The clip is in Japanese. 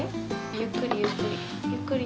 ゆっくりゆっくり。